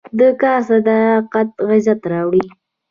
د کار صداقت عزت راوړي.